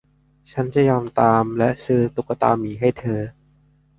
ฉันยอมทำตามและซื้อตุ๊กตาหมีให้เธอ